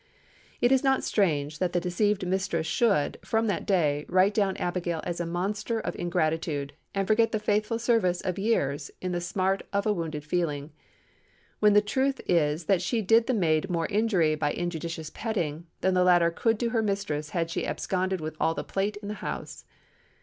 "It is not strange that the deceived mistress should, from that day, write down Abigail a monster of ingratitude, and forget the faithful service of years in the smart of wounded feeling; when the truth is that she did the maid more injury by injudicious petting, than the latter could do her mistress had she absconded with all the plate in the house.